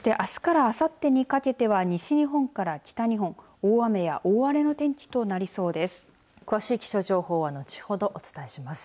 そしてあすからあさってにかけて西日本から北日本大雨や大荒れの天気となりそうです。